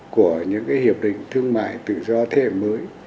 của những hiệp định thương mại tự do thế hệ mới